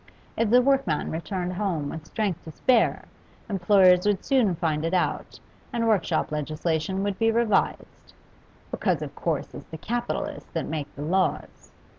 If the workman returned home with strength to spare, employers would soon find it out, and workshop legislation would be revised because of course it's the capitalists that make the laws.